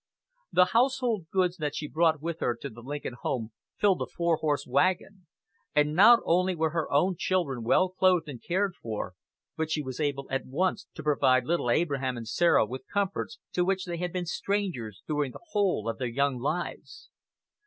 The household goods that she brought with her to the Lincoln home filled a four horse wagon, and not only were her own children well clothed and cared for, but she was able at once to provide little Abraham and Sarah with comforts to which they had been strangers during the whole of their young lives.